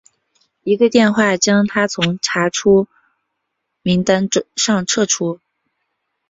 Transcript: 一个电话将他从查处名单上撤除。